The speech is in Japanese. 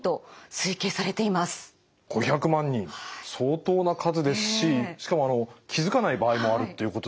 ５００万人相当な数ですししかも気付かない場合もあるっていうことでした。